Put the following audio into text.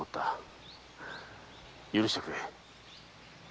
許してくれ。